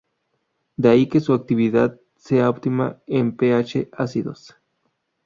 De ahí que su actividad sea óptima en pH ácidos.